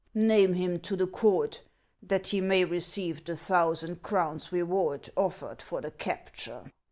Xame him to the court, that he may receive the thousand crowns reward offered for the capture."